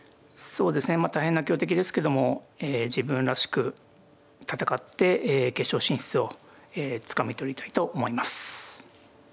そうですねまあ大変な強敵ですけども自分らしく戦って決勝進出をつかみ取りたいと思います。